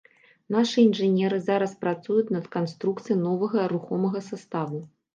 Нашы інжынеры зараз працуюць над канструкцыяй новага рухомага саставу.